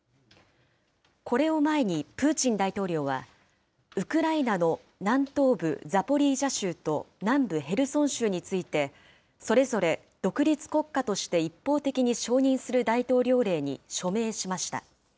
これを前に、プーチン大統領は、ウクライナの南東部ザポリージャ州と、南部ヘルソン州について、それぞれ独立国家として一方的に承認する大統領令に署名しました。